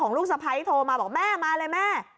ของลูกสะพายโตมาบอกแม่มาเลยแม่